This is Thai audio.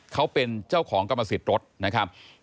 เขาเป็นเจ้าของกรรมสิทธิ์รถนะครับ